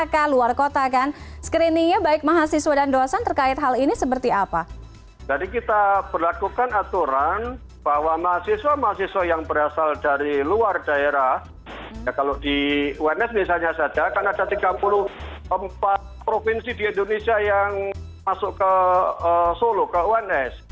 kalau di uns misalnya ada karena ada tiga puluh empat provinsi di indonesia yang masuk ke solo ke uns